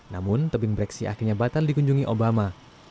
namun tebing breksi akhirnya batal dikunjungi obama